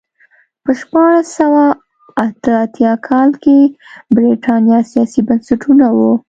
په شپاړس سوه اته اتیا کال کې برېټانیا سیاسي بنسټونه وو.